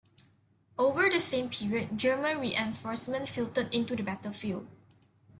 Over the same period, German reinforcements filtered into the battlefield.